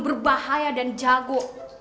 berbahaya dan jago